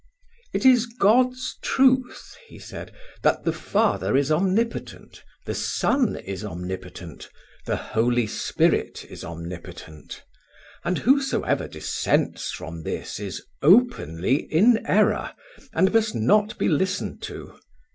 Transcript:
"It is God's truth," he said, "that the Father is omnipotent, the Son is omnipotent, the Holy Spirit is omnipotent. And whosoever dissents from this is openly in error, and must not be listened to.